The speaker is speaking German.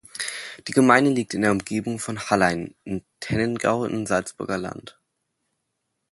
Die Gemeinde liegt in der Umgebung von Hallein im Tennengau im Salzburger Land.